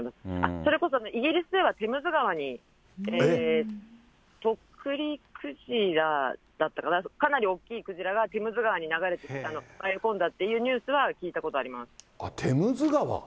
それこそイギリスでは、テムズ川にクジラかな、かなり大きいクジラがテムズ川に流れてきた、迷い込んだというニュースは聞いたことあります。